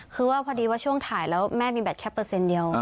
คือว่าพอดีว่าช่วงถ่ายแล้วแม่มีแบตแค่เปอร์เซ็นต์เดียว